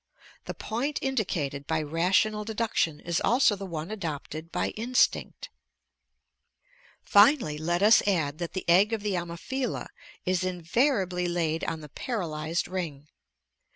The point indicated by rational deduction is also the one adopted by instinct. Finally, let us add that the egg of the Ammophila is invariably laid on the paralyzed ring.